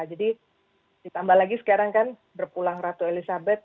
jadi ditambah lagi sekarang kan berpulang ratu elizabeth